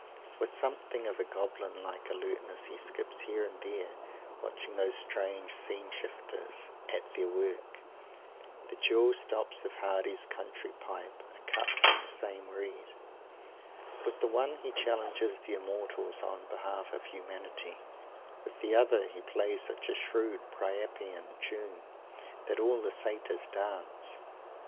With something of a goblin like alertness he skips here and there, watching those strange scene shifters at their work. The dual stops of Mr. Hardy's country pipe are cut from the same reed. With the one he challenges the Immortals on behalf of humanity; with the other he plays such a shrewd Priapian tune that all the Satyrs dance.